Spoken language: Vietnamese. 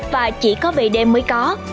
và chỉ có về đêm mới có